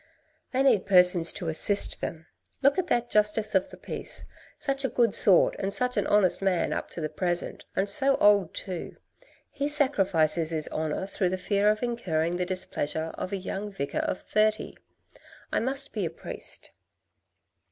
They need persons to assist them. Look at that Justice of the Peace, such a good sort and such an honest man up to the present and so old too ; he sacrifices his honour through the fear of incurring the displeasure of a young vicar of thirty. I must be a priest."